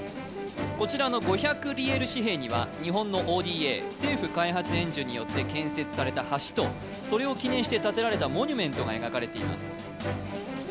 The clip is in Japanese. こちらの５００リエル紙幣には日本のＯＤＡ政府開発援助によって建設された橋とそれを記念して建てられたモニュメントが描かれています